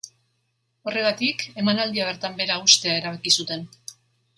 Horregatik, emanaldia bertan behera uztea erabaki zuten.